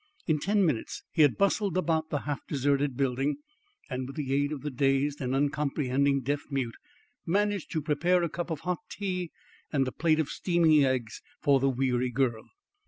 In ten minutes he had bustled about the half deserted building, and with the aid of the dazed and uncomprehending deaf mute, managed to prepare a cup of hot tea and a plate of steaming eggs for the weary girl.